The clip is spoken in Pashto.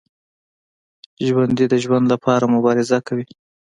ژوندي د ژوند لپاره مبارزه کوي